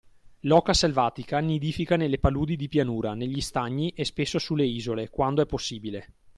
L’oca selvatica nidifica nelle paludi di pianura, negli stagni e spesso sulle isole, quando è possibile.